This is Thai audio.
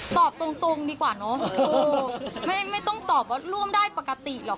ตอบตรงดีกว่าเนอะคือไม่ต้องตอบว่าร่วมได้ปกติหรอก